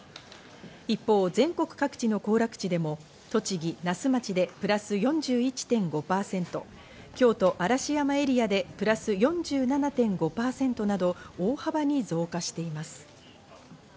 一方、全国各地の行楽地でも栃木・那須町でプラス４１．５％、京都・嵐山エリアでプラス４７．５％など大幅に増加しています。